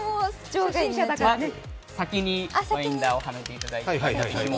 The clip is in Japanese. まず先にバインダーをはめていただいて。